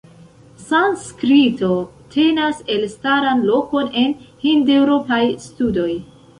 Sanskrito tenas elstaran lokon en Hindeŭropaj studoj.